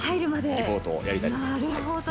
リポートをやりたいと思いまなるほど。